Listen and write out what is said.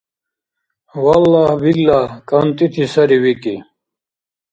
— Валлагь-биллагь, кӀантӀити сари, викӀи.